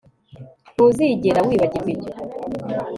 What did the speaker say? ntuzigera wibagirwa ibyo